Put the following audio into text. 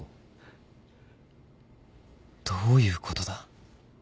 どういうことだ？